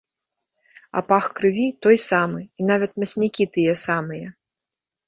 А пах крыві той самы і нават мяснікі тыя самыя.